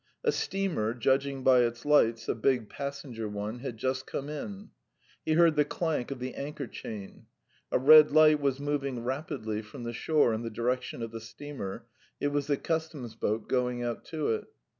A steamer, judging by its lights, a big passenger one, had just come in. He heard the clank of the anchor chain. A red light was moving rapidly from the shore in the direction of the steamer: it was the Customs boat going out to it.